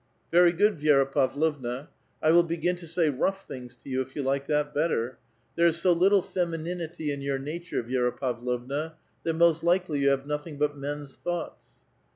*' A VITAL QUESTION. 121 *' Very good, Vi^ra Pavlovna; I will begin to say rough things to you if you like that better. Ihere is so little femininity in your nature, Vi^ra Pavlovna, that most likely joQ have notliing but men's thoughts."